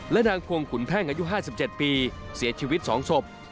นางพวงขุนแพ่งอายุ๕๗ปีเสียชีวิต๒ศพ